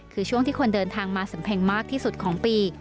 คือช่วงที่คนเดินทางมาสำเพ็งมากที่สุดของปี